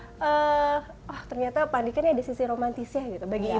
eh ternyata pak andika ini ada sisi romantisnya gitu bagi ibu